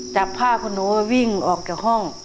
จับผ้าคนหนูวิ่งออกจากห้อง